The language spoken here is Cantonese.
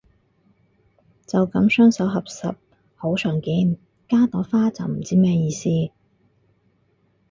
就噉雙手合十好常見，加朵花就唔知咩意思